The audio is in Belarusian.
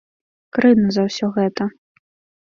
Крыўдна за ўсё гэта.